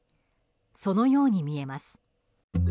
そのように見えます。